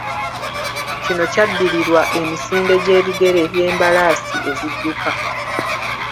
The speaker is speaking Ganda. Kino kyaddirirwa emisinde gy'ebigere by'embalaasi ezidduka.